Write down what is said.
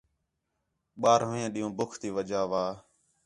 ٻارہویں ݙِین٘ہوں ٻُکھ تی وَجہ وا